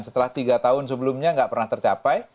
setelah tiga tahun sebelumnya nggak pernah tercapai